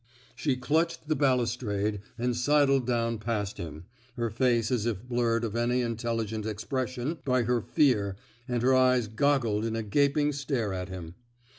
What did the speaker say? '^ She clutched the balustrade and sidled down past him, her face as if blurred of any intelligent expression by her fear, and her eyes goggled in a gaping stare at him.